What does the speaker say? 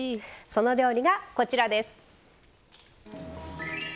その料理がこちらです。